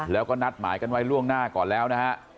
แล้วก็นัดหมายกันไว้ล่วงหน้าก่อนแล้วนะฮะ